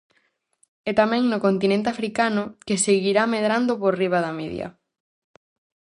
E tamén no continente africano, que seguirá medrando por riba da media.